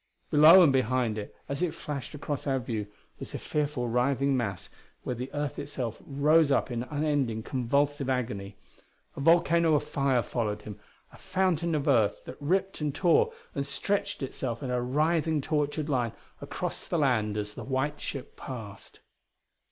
Below and behind it, as it flashed across our view, was a fearful, writhing mass where the earth itself rose up in unending, convulsive agony. A volcano of fire followed him, a fountain of earth that ripped and tore and stretched itself in a writhing, tortured line across the land as the white ship passed.